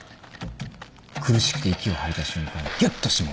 苦しくて息を吐いた瞬間ギュッと締める。